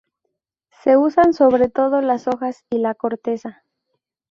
Se usan sobre todo las hojas y la corteza.